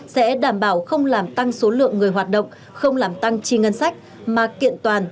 sẽ đảm bảo không làm tăng số lượng người hoạt động không làm tăng chi ngân sách mà kiện toàn